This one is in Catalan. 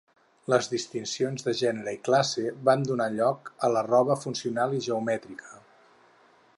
Les distincions de gènere i classe van donar lloc a la roba funcional i geomètrica.